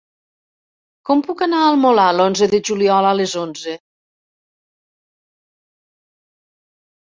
Com puc anar al Molar l'onze de juliol a les onze?